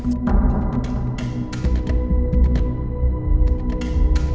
mana arti setiap kawan kalian